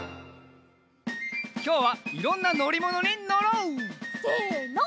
きょうはいろんなのりものにのろう！せの。